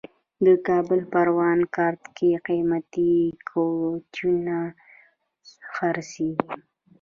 د کابل پروان کارته کې قیمتي کوچونه خرڅېږي.